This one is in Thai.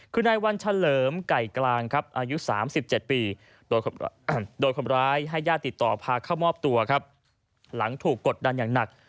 คือนายวันเฉลิมไก่กลางครับอายุ๓๗ปีโดยคนร้ายให้ญาติติดต่อพาเข้ามอบตัวครับหลังถูกกดดันอย่างหนัก